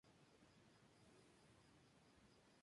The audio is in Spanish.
Se dedicó a la dirección teatral, a la literatura y a la pintura.